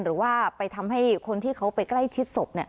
หรือว่าไปทำให้คนที่เขาไปใกล้ชิดศพ